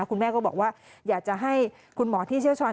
คุณแม่ก็บอกว่าอยากจะให้คุณหมอที่เชี่ยวชาญ